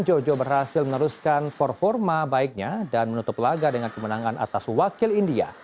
jojo berhasil meneruskan performa baiknya dan menutup laga dengan kemenangan atas wakil india